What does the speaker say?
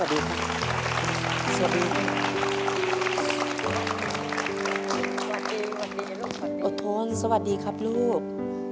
อดทนสวัสดีครับลูก